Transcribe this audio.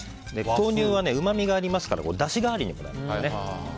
豆乳はうまみがありますからだし代わりにもね。